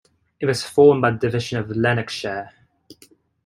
It was formed by the division of Lanarkshire.